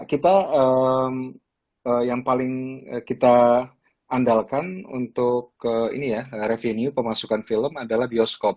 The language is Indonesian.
kita yang paling kita andalkan untuk ini ya revenue pemasukan film adalah bioskop